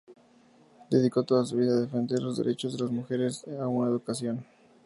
Dedicó toda su vida a defender los derechos de las mujeres a una educación.